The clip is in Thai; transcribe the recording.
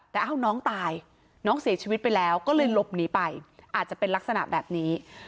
แต่เอ้าน้องตายน้องเสียชีวิตไปแล้วก็เลยหลบหนีไปอาจจะเป็นลักษณะแบบนี้